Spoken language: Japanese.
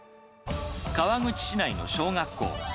川口市内の小学校。